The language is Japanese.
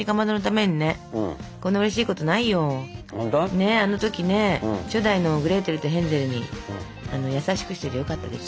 ねあの時ね初代のグレーテルとヘンゼルに優しくしといてよかったです。